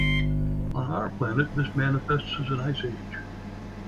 On our planet, this manifests as an ice age.